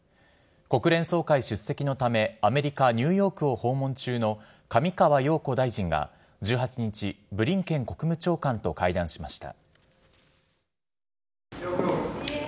国連総会出席のため、アメリカ・ニューヨークを訪問中の上川陽子大臣が、１８日、ブリンケン国務長官と会談しました。